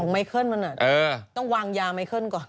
ไมเคิลมันต้องวางยาไมเคิลก่อน